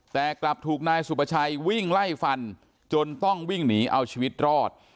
แต่กลับถูกนายสุประชัยวิ่งไล่ฟันจนต้องวิ่งหนีเอาชีวิตรอด